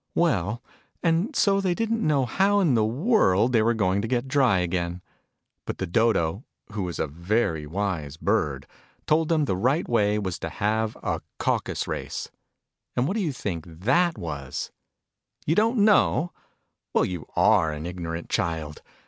Well, and so they didn't know how in the world they were to get dry again. But the Dodo who was a very wise bird told them the right w T ay was to have a Caucus Race. And what do you think that Avas ? You don't knoic ? Well, you are an ignorant child